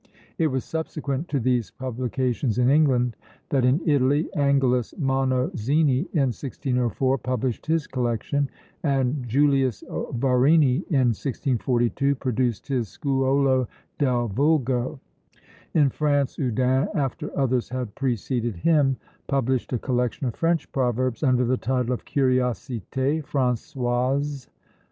It was subsequent to these publications in England, that in Italy, Angelus Monozini, in 1604, published his collection; and Julius Varini, in 1642, produced his Scuola del Vulgo. In France, Oudin, after others had preceded him, published a collection of French proverbs, under the title of Curiosités Françoises.